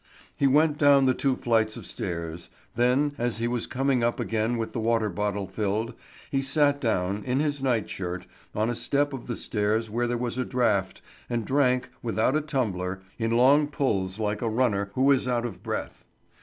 He went down the two flights of stairs; then, as he was coming up again with the water bottle filled, he sat down, in his night shirt, on a step of the stairs where there was a draught, and drank, without a tumbler, in long pulls like a runner who is out of breath.